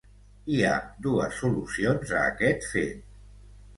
Hi ha dues solucions a aquest fet.